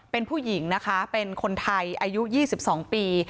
เป็นผู้หญิงนะคะเป็นคนไทยอายุ๒๒ปี